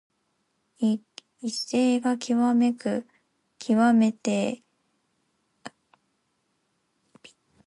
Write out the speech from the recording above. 威勢がきわめて大きく防ぎとめることのできないたとえ。雷鳴のとどろきがきわめて大きく重い。